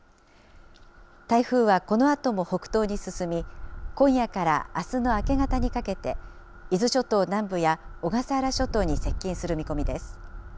台風はこのあとも北東に進み、今夜からあすの明け方にかけて、伊豆諸島南部や小笠原諸島に接近する見込みです。